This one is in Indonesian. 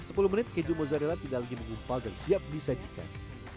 setelah sepuluh menit keju mozzarella tidak lagi menggumpal dan siap disajikan